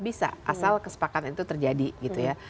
bisa asal kesepakatan itu terjadi gitu ya